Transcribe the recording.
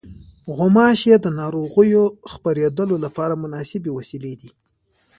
غوماشې د ناروغیو خپرېدلو لپاره مناسبې وسیلې دي.